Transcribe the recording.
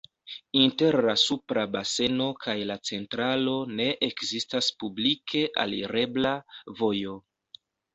Inter la supra baseno kaj la centralo ne ekzistas publike alirebla vojo.